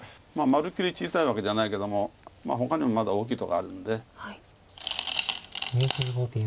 まあまるっきり小さいわけじゃないけどもほかにもまだ大きいとこあるんで。